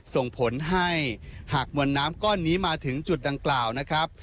ส่งผลให้หากมวลน้ำก้อนนี้มาถึงจุดดังกล่าวนะครับ